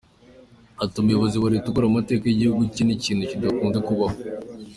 Ati “ Umuyobozi wa leta ukora amateka y’igihugu cye ni ikintu kidakunze kubaho.